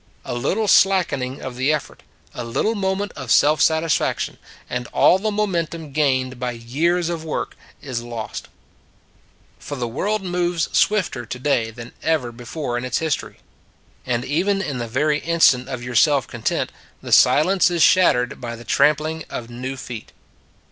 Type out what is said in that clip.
A little slackening of the effort; a little moment of self satisfaction, and all the momentum gained by years of work is lost. 46 // s a Good Old World For the world moves swifter today than ever before in its history. And even in the very instant of your self content, the silence is shattered by the trampling of new feet.